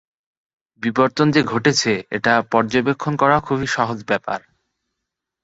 বিবর্তন যে ঘটছে এটা পর্যবেক্ষণ করা খুবই সহজ ব্যাপার।